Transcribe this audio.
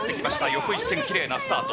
横一線きれいなスタート。